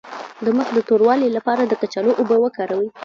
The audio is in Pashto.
د مخ د توروالي لپاره د کچالو اوبه وکاروئ